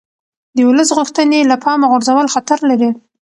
د ولس غوښتنې له پامه غورځول خطر لري